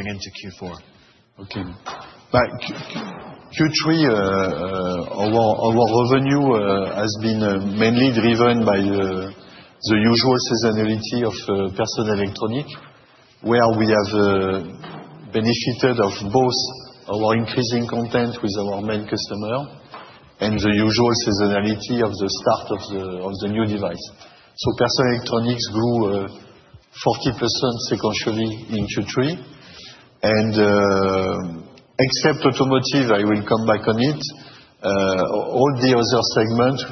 Into Q4. Okay. Q3, our revenue has been mainly driven by the usual seasonality of personal electronics, where we have benefited of both our increasing content with our main customer and the usual seasonality of the start of the new device. Personal electronics grew 40% sequentially in Q3. Except automotive, I will come back on it, all the other segments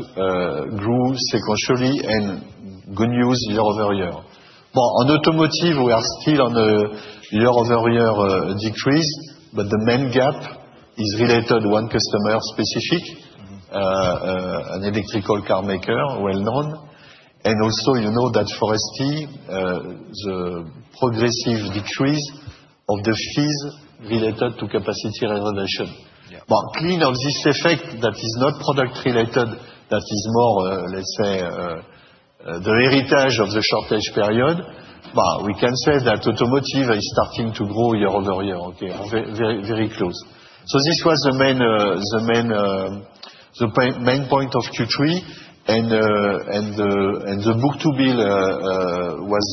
grew sequentially, and good news year-over-year. On automotive, we are still on a year-over-year decrease, but the main gap is related to one customer specific an electric car maker, well-known. You know, that forestry, the progressive decrease of the fees related to capacity reservation. Clean of this effect that is not product-related, that is, more, let's say, the heritage of the shortage period. We can say that automotive is starting to grow year-over-year, very, very close. This was the main point of Q3. The book-to-bill was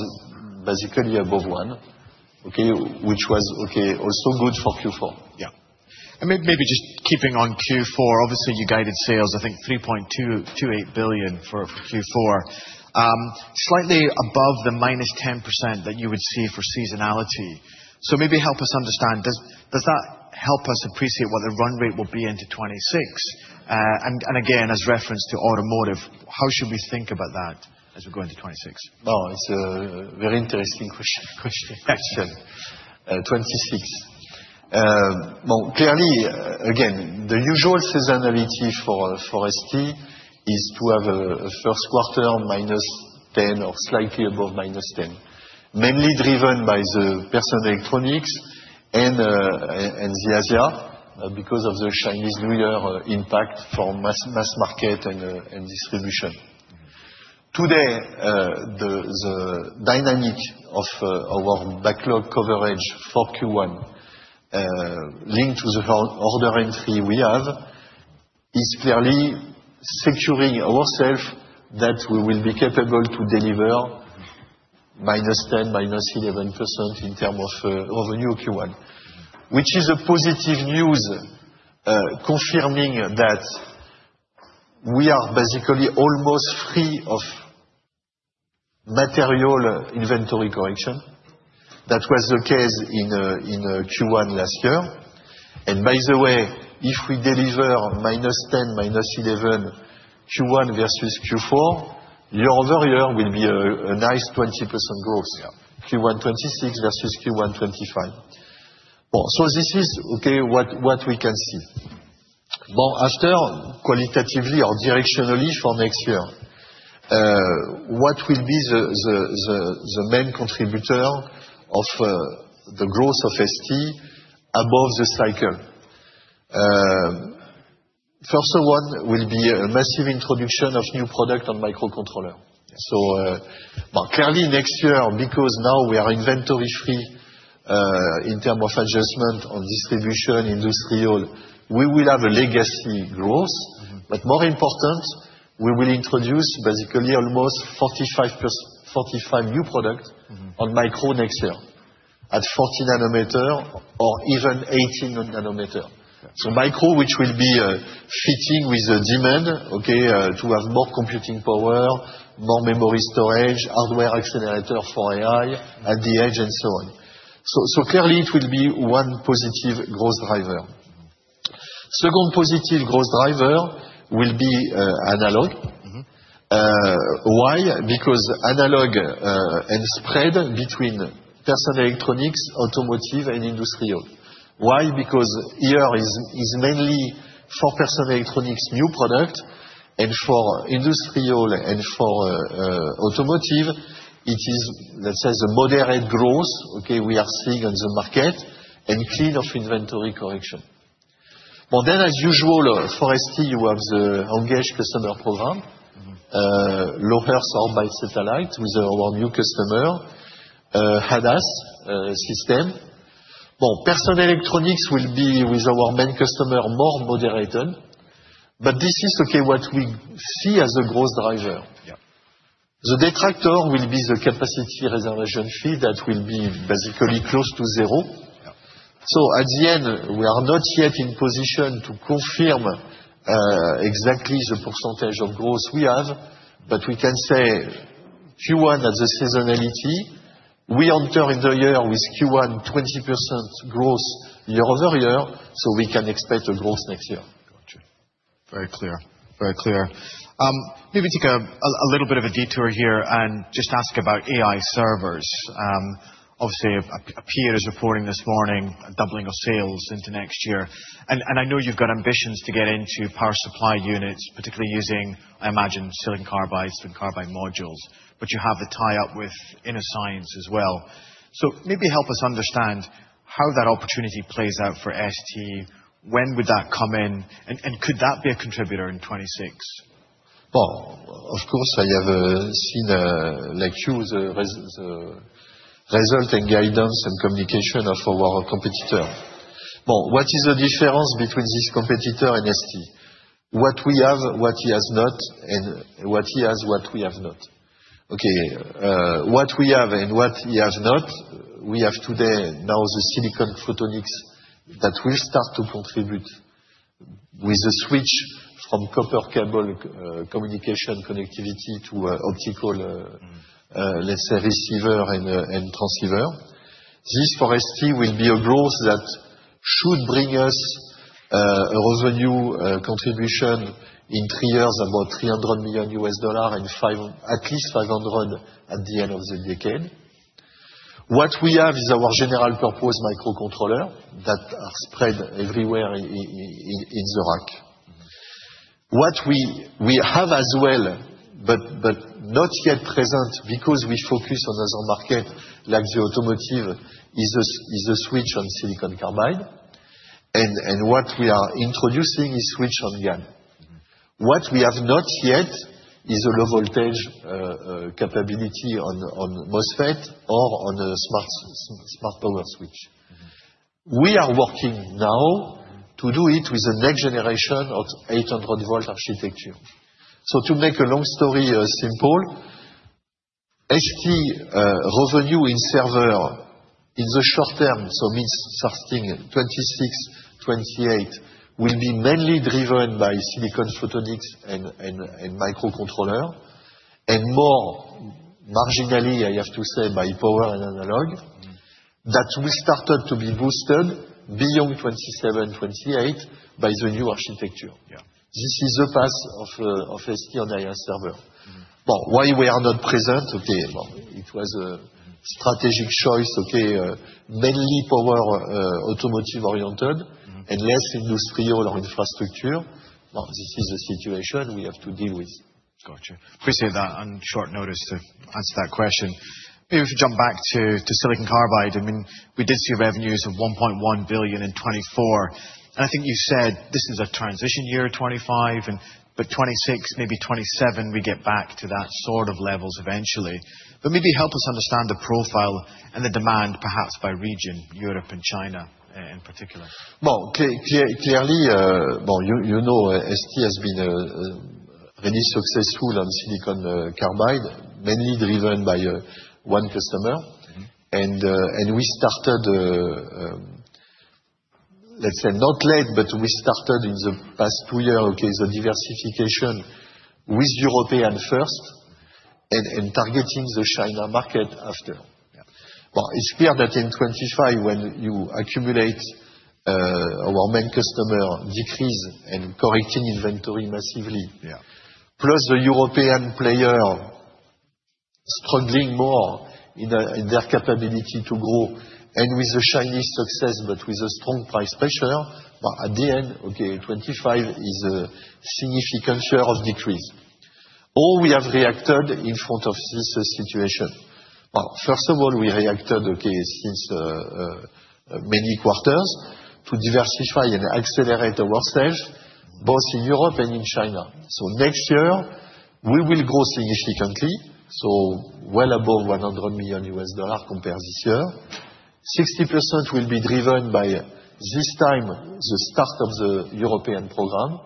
basically above one, which was also good for Q4. Yeah. Maybe just keeping on Q4, obviously, you guided sales, I think, $3.28 billion for Q4, slightly above the -10% that you would see for seasonality. Maybe help us understand, does that help us appreciate what the run rate will be into 2026? And again, as reference to automotive, how should we think about that as we go into 2026? It's a very interesting question. 2026. Clearly, again, the usual seasonality for, for ST is to have a first quarter -10% or slightly above -10%, mainly driven by the personal electronics and the Asia, because of the Chinese New Year impact for mass market and distribution. Today, the dynamic of our backlog coverage for Q1, linked to the order entry we have, is clearly securing ourself that we will be capable to deliver -10% to -11% in term of revenue Q1, which is a positive news, confirming that we are basically almost free of material inventory correction. That was the case in Q1 last year. By the way, if we deliver -10% to -11% Q1 versus Q4, year-over-year will be a nice 20% growth. Q1 2026 versus Q1 2025. This is what we can see. Qualitatively or directionally for next year, what will be the main contributor of the growth of ST above the cycle? First of all, will be a massive introduction of new product on microcontroller. Clearly, next year, because now we are inventory-free, in terms of adjustment on distribution, industrial, we will have a legacy growth. More important, we will introduce basically almost 45 new products on micro next year at 40 nanometer or even 18 nanometer. Micro, which will be fitting with the demand, okay, to have more computing power, more memory storage, hardware accelerator for AI at the edge, and so on. Clearly it will be one positive growth driver. Second positive growth driver will be analog. Why? Because analog, and spread between personal electronics, automotive, and industrial. Why? Because here is, is mainly for personal electronics new product, and for industrial and for automotive, it is, let's say, the moderate growth, okay, we are seeing on the market, and clean of inventory correction. As usual, forestry, you have the engaged customer program, LOHER sold by Satellite, with our new customer, ADAS system. Personal electronics will be with our main customer more moderated, but this is, okay, what we see as a growth driver. The detractor will be the capacity reservation fee that will be basically close to zero. At the end, we are not yet in position to confirm exactly the percentage of growth we have, but we can say Q1 has a seasonality. We enter in the year with Q1 20% growth year-over-year, so we can expect a growth next year. Very clear. Very clear. Maybe take a little bit of a detour here and just ask about AI servers. Obviously, a peer is reporting this morning a doubling of sales into next year. I know you've got ambitions to get into power supply units, particularly using, I imagine, silicon carbide, silicon carbide modules, but you have the tie-up with Innoscience as well. Maybe help us understand how that opportunity plays out for ST, when would that come in, and could that be a contributor in 2026? Of course, I have seen, like you, the result and guidance, and communication of our competitor. What is the difference between this competitor and ST? What we have, what he has not, and what he has, what we have not. Okay. What we have and what he has not, we have today now the silicon photonics that will start to contribute with the switch from copper cable communication connectivity to optical, let's say, receiver and transceiver. This forestry will be a growth that should bring us a revenue contribution in three years about $300 million and five, at least $500 million at the end of the decade. What we have is our general-purpose microcontroller that are spread everywhere in the rack. What we have as well, but not yet present because we focus on other markets like the automotive, is a switch on silicon carbide, and what we are introducing is switch on GaN. What we have not yet is a low-voltage capability on MOSFET or on a smart power switch. We are working now to do it with a next generation of 800-volt architecture. To make a long story simple, ST, revenue in server in the short term, so mid-thirty-six, twenty-eight, will be mainly driven by silicon photonics, and, and, and microcontroller, and more marginally, I have to say, by power and analog. That will start out to be boosted beyond 2027, 2028, by the new architecture. This is the path of ST on AI server. Why we are not present? Okay. It was a strategic choice, mainly power, automotive-oriented and less industrial or infrastructure. This is the situation we have to deal with. Gotcha. Appreciate that. On short notice to answer that question. Maybe if we jump back to, to silicon carbide, I mean, we did see revenues of $1.1 billion in 2024. And I think you said this is a transition year 2025, and but 2026, maybe 2027, we get back to that sort of levels eventually. But maybe help us understand the profile and the demand, perhaps, by region, Europe and China, in particular. Clearly, you know, ST has been really successful on silicon carbide, mainly driven by one customer. We started, let's say, not late, but we started in the past two years, the diversification with European first and targeting the China market after. It's clear that in 2025, when you accumulate, our main customer decrease and correcting inventory massively. Plus, the European player struggling more in, in their capability to grow, and with the Chinese success, but with a strong price pressure, at the end, okay, 2025 is a significant year of decrease. How have we reacted in front of this situation? First of all, we reacted, okay, since many quarters to diversify and accelerate ourself both in Europe and in China. Next year, we will grow significantly, well above $100 million, compared to this year. 60% will be driven by this time, the start of the European program,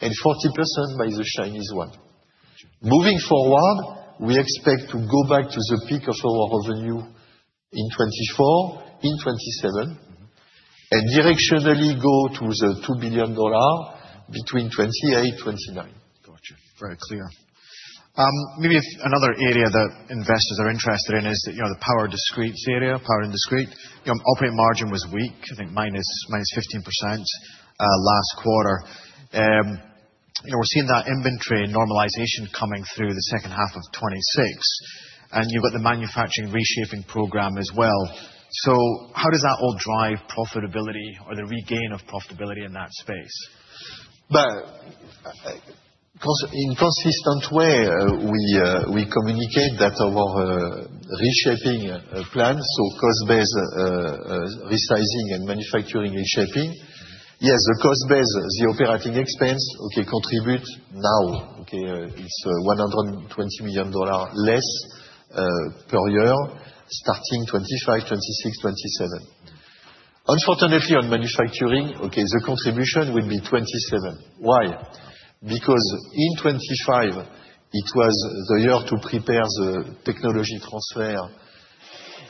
40% by the Chinese one. Gotcha. Moving forward, we expect to go back to the peak of our revenue in 2024, in 2027, and directionally go to the $2 billion between 2028, 2029. Gotcha. Very clear. Maybe if another area that investors are interested in is, you know, the power discretes area, power indiscrete. Your operating margin was weak, I think -15%, last quarter. You know, we're seeing that inventory normalization coming through the second half of 2026, and you've got the manufacturing reshaping program as well. How does that all drive profitability or the regain of profitability in that space? In a consistent way, we communicate that our reshaping plan, so cost-based resizing and manufacturing reshaping. Yes, the cost-based, the operating expense, okay, contribute now, okay, it's $120 million less, per year starting 2025, 2026, 2027. Unfortunately, on manufacturing, okay, the contribution will be 2027. Why? Because in 2025, it was the year to prepare the technology transfer,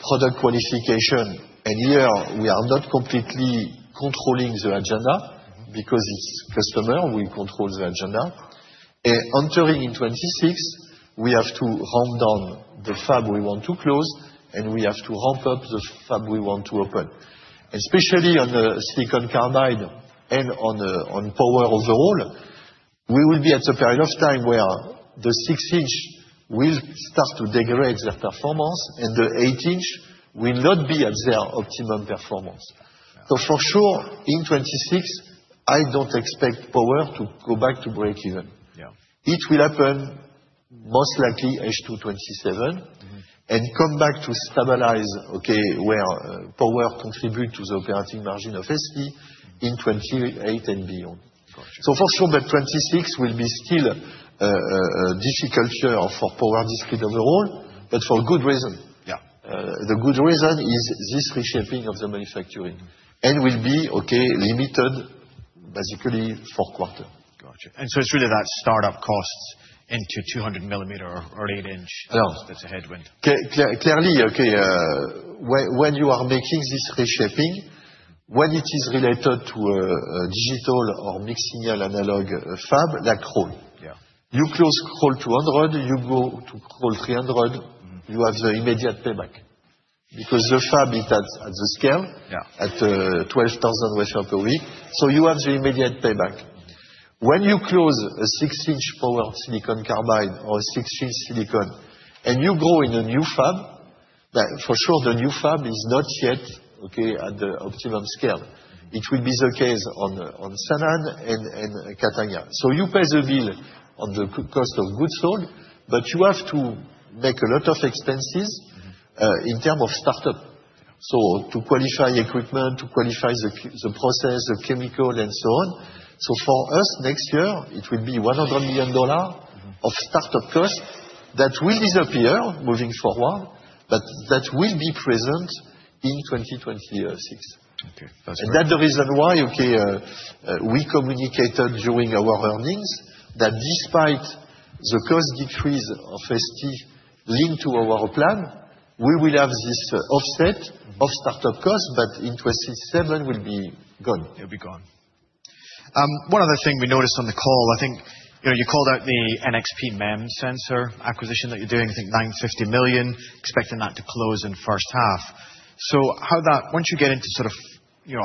product qualification, and here we are not completely controlling the agenda because it's customer, we control the agenda. Entering in 2026, we have to ramp down the fab we want to close, and we have to ramp up the fab we want to open. Especially on the silicon carbide and on, on power overall, we will be at a period of time where the 6-inch will start to degrade their performance. Sort of, you know,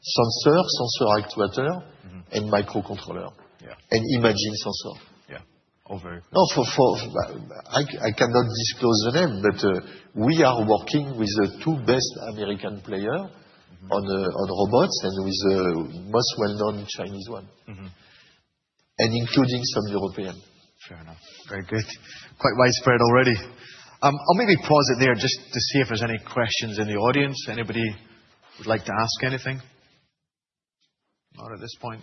just a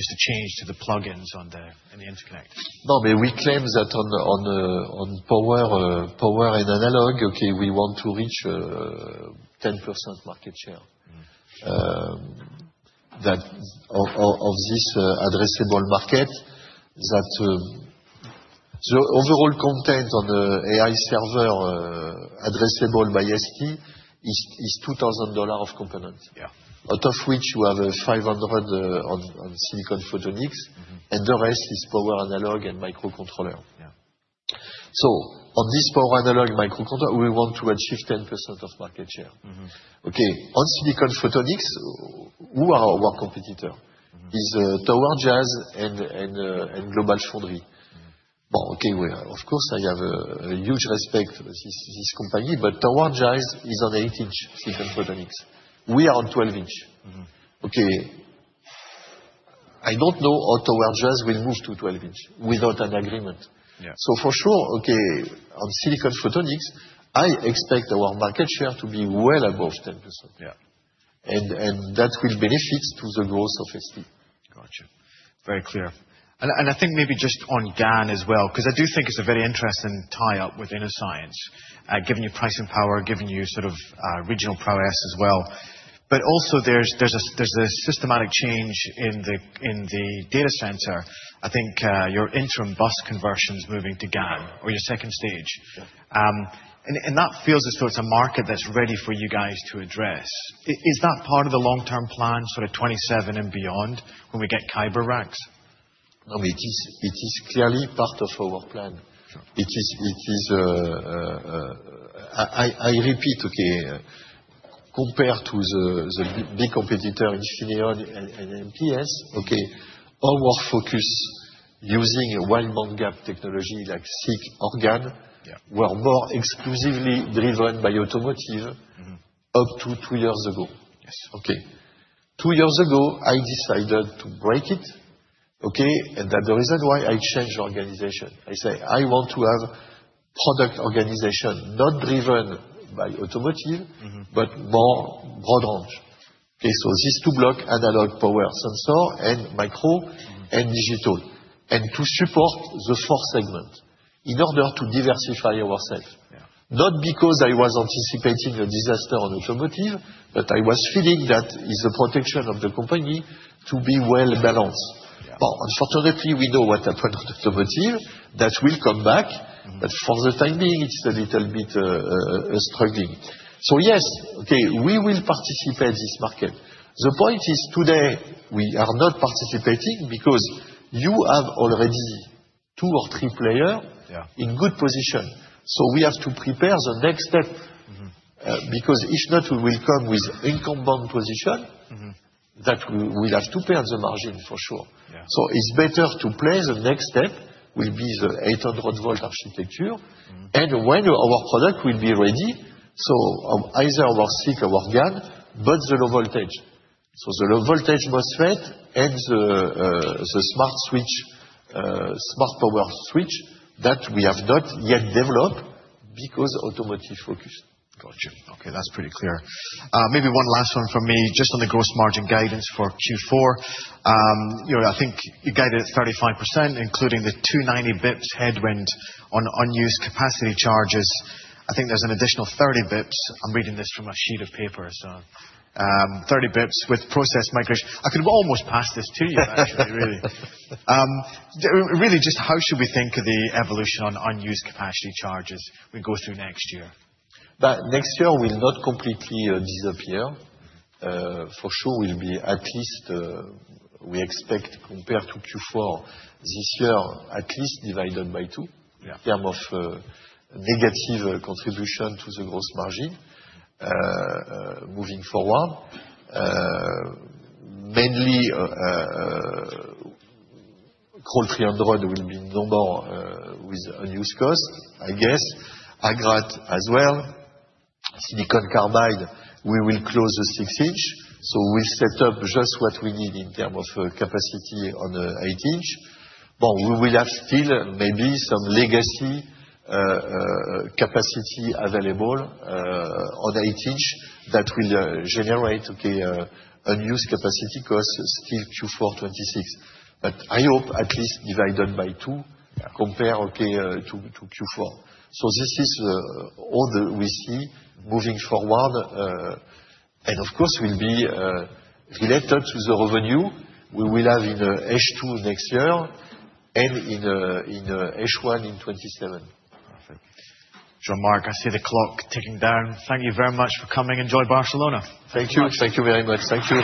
change to the plugins on the, in the interconnect. No, I mean, we claim that on power, power and analog, okay, we want to reach 10% market share. That of this addressable market, that the overall content on the AI server, addressable by ST, is $2,000 of components. Out of which you have a 500, on silicon photonics. And the rest is power analog and microcontroller. So on this power analog, microcontroller, we want to achieve 10% of market share. Okay. On silicon photonics, who are our competitor? Is Tower Semiconductor and GlobalFoundries. Okay, of course, I have a huge respect for this company, but Tower Semiconductor is on eight-inch silicon photonics. We are on 12-inch. Okay. I do not know how Tower Semiconductor will move to 12-inch without an agreement. For sure, okay, on silicon photonics, I expect our market share to be well above 10%. That will benefit to the growth of ST. Gotcha. Very clear. I think maybe just on GaN as well, 'cause I do think it's a very interesting tie-up with InnoScience, given your pricing power, given you sort of regional prowess as well. Also, there's a systematic change in the data center. I think your interim bus conversion's moving to GaN or your second stage. Yeah. That feels as though it's a market that's ready for you guys to address. Is that part of the long-term plan, sort of 2027 and beyond, when we get Khyber Racks? No, it is clearly part of our plan. Sure. It is, it is, I repeat, okay, compared to the big competitor, Infineon and MTS. Okay. Our focus using wide bandgap technology like silicon carbide or GaN, were more exclusively driven by automotive. Up to two years ago. Okay. Two years ago, I decided to break it. Okay. And that is the reason why I changed organization, I say I want to have product organization not driven by automotive. But more broad range. Okay. So these two blocks, analog power sensor and micro and digital, and to support the four segments in order to diversify ourself. Not because I was anticipating a disaster on automotive, but I was feeling that is the protection of the company to be well balanced. Unfortunately, we know what happened with automotive that will come back. For the time being, it's a little bit struggling. Yes, okay, we will participate in this market. The point is today we are not participating because you have already two or three players in good position. We have to prepare the next step, because if not, we will come with incumbent position. We will have to pay the margin for sure. It's better to play the next step, which will be the 800-volt architecture, and when our product will be ready. Either our SiC, our GaN, but the low voltage, so the low voltage MOSFET and the smart switch, smart power switch that we have not yet developed, because automotive focus. Gotcha. Okay. That's pretty clear. Maybe one last one from me, just on the gross margin guidance for Q4. You know, I think you guided at 35%, including the 290 basis points headwind on unused capacity charges. I think there's an additional 30 basis points. I'm reading this from a sheet of paper. So, 30 basis points with process migration. I could almost pass this to you, actually. Really, just how should we think of the evolution on unused capacity charges as we go through next year? That next year will not completely disappear. For sure, we'll be at least, we expect, compared to Q4 this year, at least divided by two. In terms of negative contribution to the gross margin, moving forward. Mainly, Crolles 300 will be number, with unused cost, I guess. Agrate as well. Silicon carbide, we will close the six-inch. So we'll set up just what we need in terms of capacity on eight-inch. We will have still maybe some legacy capacity available on eight-inch that will generate unused capacity cost still Q4 2026. I hope at least divided by two, yeah, compared to Q4. This is all we see moving forward, and of course, will be related to the revenue we will have in H2 next year and in H1 in 2027. Jean-Marc, I see the clock ticking down. Thank you very much for coming. Enjoy Barcelona. Thank you. Thank you very much. Thank you. Thank you.